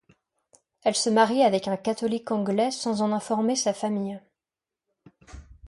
Elle se marie avec un catholique anglais sans en informer sa famille.